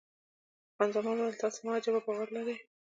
خان زمان وویل، تاسې هم عجبه باور لرئ.